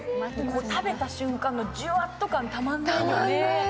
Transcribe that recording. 食べた瞬間のジュワッと感、たまんないよね。